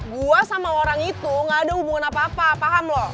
gue sama orang itu gak ada hubungan apa apa paham loh